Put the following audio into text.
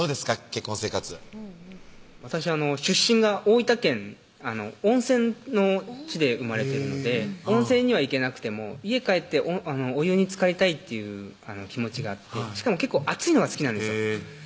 結婚生活私出身が大分県温泉の地で生まれてるので温泉には行けなくても家帰ってお湯につかりたいっていう気持ちがあってしかも結構熱いのが好きなんですよ